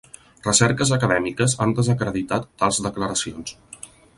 Recerques acadèmiques han desacreditat tals declaracions.